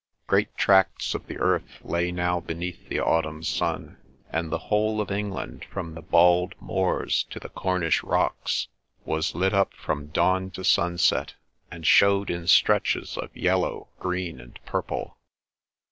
Great tracts of the earth lay now beneath the autumn sun, and the whole of England, from the bald moors to the Cornish rocks, was lit up from dawn to sunset, and showed in stretches of yellow, green, and purple.